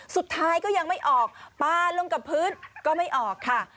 สุดท้ายก็ยังไม่ออกปลาลงกับพื้นก็ไม่ออกค่ะ